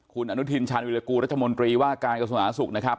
คุณอนุทินชาญวิรากูรัฐมนตรีว่าการกระทรวงสาธารสุขนะครับ